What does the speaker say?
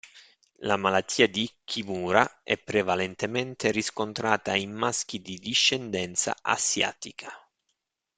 La malattia di Kimura è prevalentemente riscontrata in maschi di discendenza asiatica.